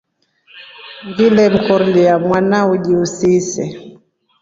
Ngile mkorya mwana uji usise.